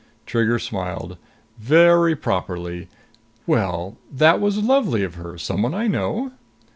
Trigger smiled. "Very properly. Well, that was lovely of her! Someone I know?"